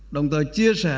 đồng thời chia sẻ